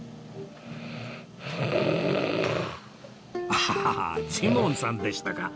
ああジモンさんでしたか